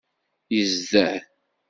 Yezder.